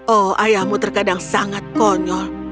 oh ayahmu terkadang sangat konyol